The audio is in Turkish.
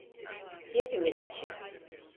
Hepimiz için.